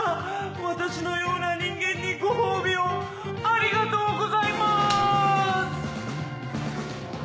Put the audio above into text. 私のような人間にご褒美をありがとうございます。